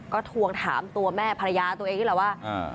ก็ทวงถามตัวแม่ภรรยาตัวเองได้หรอว่าเออ